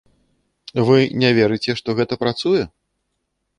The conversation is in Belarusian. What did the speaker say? Вы не верыце, што гэта працуе?